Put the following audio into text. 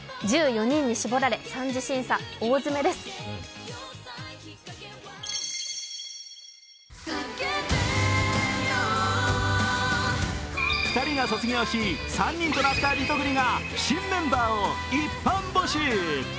１４人に絞られ、３次審査、大詰めです２人が卒業し、３人となったリトグリが新メンバーを一般募集。